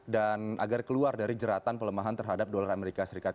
dan agar keluar dari jeratan pelemahan terhadap dolar amerika serikat